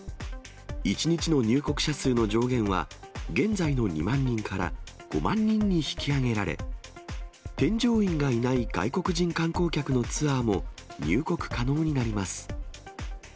１日の入国者数の上限は、現在の２万人から５万人に引き上げられ、添乗員がいない外国人観光客のツアーも、入国可能になります。